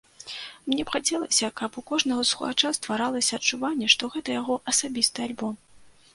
Мне б хацелася, каб у кожнага слухача стваралася адчуванне, што гэта яго асабісты альбом.